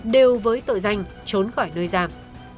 đều với tội danh trốn khỏi nơi giam